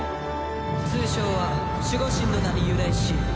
通称は守護神の名に由来し。